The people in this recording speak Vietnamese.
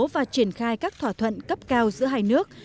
và triển khai các thỏa thuận cấp cao giữa hai nước